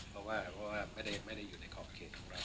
เพราะว่าไม่ได้อยู่ในขอบเขตของเรา